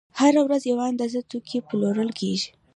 هره ورځ یوه اندازه توکي پلورل کېږي